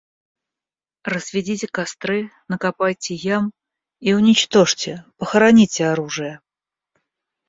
Разведите костры, накопайте ям и уничтожьте, похороните оружие.